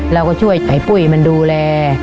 เราก็ช่วยไตปุ้ยมันดูแล